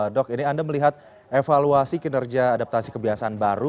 dok ini anda melihat evaluasi kinerja adaptasi kebiasaan baru